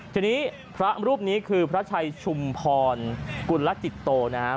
ทีนี้พระรูปนี้คือพระชัยชุมพรกุลจิตโตนะครับ